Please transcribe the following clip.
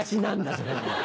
それ。